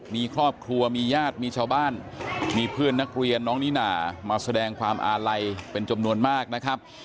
มีครอบครัวมีญาติมีชาวบ้านมีเพื่อนนักเรียนน้องนิน่ามาแสดงความอาลัยเป็นจำนวนมากนะครับ